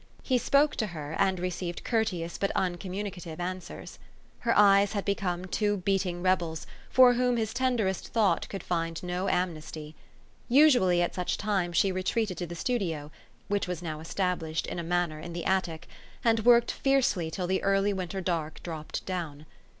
He spoke to her, and received courteous but uncommu nicative answers. Her eyes had become two beat ing rebels, for whom his tenderest thought could find no amnesty. Usually, at such times, she retreated to the studio (which was now established, in a manner, in the attic) , and worked fiercely till the early winter dark dropped down.